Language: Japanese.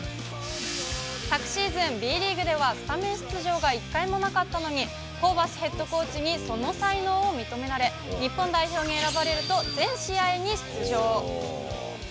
昨シーズン、Ｂリーグではスタメン出場が１回もなかったのに、ホーバスヘッドコーチにその才能を認められ、日本代表に選ばれると、全試合に出場。